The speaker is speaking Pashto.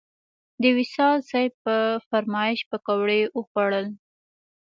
د وصال صیب په فرمایش پکوړې وخوړل.